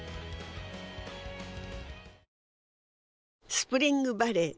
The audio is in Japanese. スプリングバレー